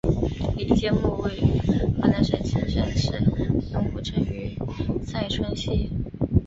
李诫墓位于河南省新郑市龙湖镇于寨村西。